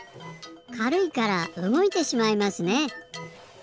かるいからうごいてしまいますね。